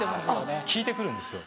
聞いて来るんですよ。